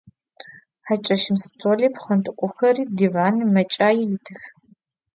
Haç'eşım stoli, pxhent'ek'uxeri, divani, meç'ai yitıx.